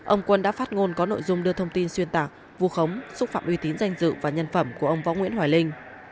ông quân đã phát ngôn có nội dung đưa thông tin xuyên tạc vù khống xúc phạm uy tín danh dự và nhân phẩm của ông võ nguyễn hoài linh